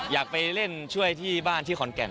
อยากไปเล่นช่วยที่บ้านที่ขอนแก่น